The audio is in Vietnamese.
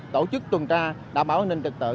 tổ chức tuần tra đảm bảo an ninh trật tự